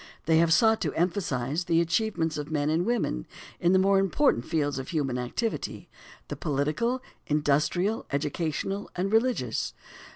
They have sought to emphasize "the achievements of men and women" in the more important fields of human activity, the "political, industrial, educational and religious."